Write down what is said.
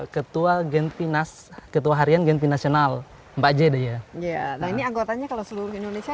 ketua genti nas ketua harian genpi nasional bakoi dih anya anggotanya kalau seluruh indonesia